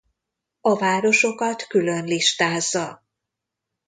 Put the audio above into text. A városokat külön listázza.